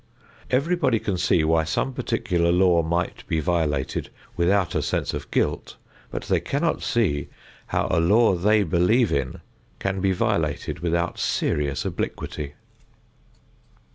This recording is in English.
Everybody can see why some particular law might be violated without a sense of guilt, but they cannot see how a law they believe in can be violated without serious obliquity.